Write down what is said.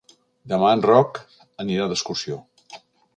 Demà en Roc anirà d'excursió.